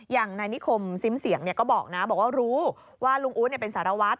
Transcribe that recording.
อย่างนายนิคมซิมเสียงก็บอกนะบอกว่ารู้ว่าลุงอู๊ดเป็นสารวัตร